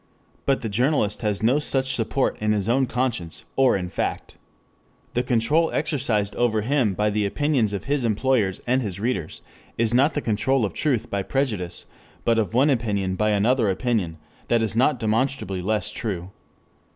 But the journalist has no such support in his own conscience or in fact. The control exercised over him by the opinions of his employers and his readers, is not the control of truth by prejudice, but of one opinion by another opinion that it is not demonstrably less true.